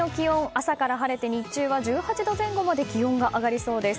朝から晴れて日中は１８度前後まで気温が上がりそうです。